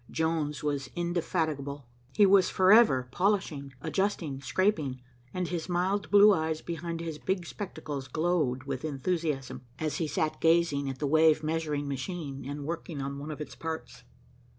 Jones was indefatigable. He was forever polishing, adjusting, scraping, and his mild blue eyes behind his big spectacles glowed with enthusiasm, as he sat gazing at the wave measuring machine and working on one of its parts.